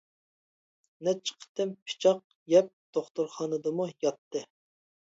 نەچچە قېتىم پىچاق يەپ دوختۇرخانىدىمۇ ياتتى.